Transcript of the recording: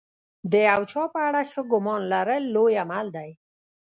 د یو چا په اړه ښه ګمان لرل لوی عمل دی.